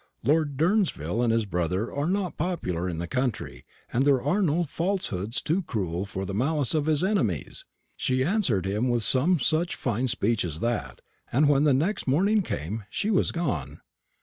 Lord Durnsville and his brother are not popular in the country, and there are no falsehoods too cruel for the malice of his enemies.' She answered him with some such fine speech as that, and when the next morning came she was gone."